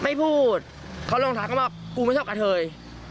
ไม่พูดเขาลองทักเขามากกูไม่ชอบกะเทย